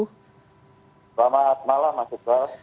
selamat malam mas isra